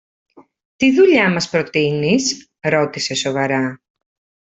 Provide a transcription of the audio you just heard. Τι δουλειά μας προτείνεις; ρώτησε σοβαρά.